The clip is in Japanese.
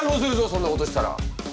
そんなことしたら。